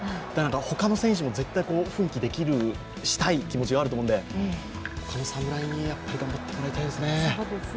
他の選手も絶対奮起できる、したい気持ちがあると思うんで他の侍にも頑張っていただきたいですね！